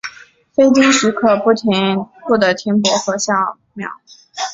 非经许可不得停泊和下锚。